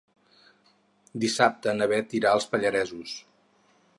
Dissabte na Beth irà als Pallaresos.